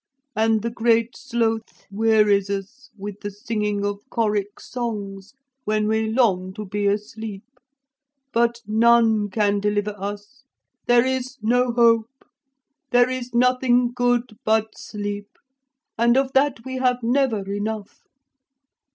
And the Great Sloth wearies us with the singing of choric songs when we long to be asleep. But none can deliver us. There is no hope. There is nothing good but sleep. And of that we have never enough.'